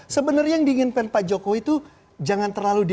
sebenarnya yang diinginkan pak jokowi itu jangan terlalu